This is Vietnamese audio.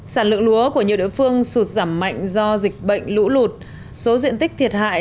sản lượng lúa của nhiều địa phương sụt giảm mạnh do dịch bệnh lũ lụt số diện tích thiệt hại